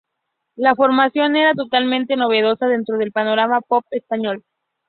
La formación era totalmente novedosa dentro del panorama pop español.